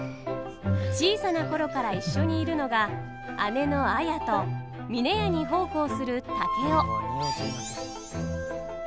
小さな頃から一緒にいるのが姉の綾と峰屋に奉公する竹雄。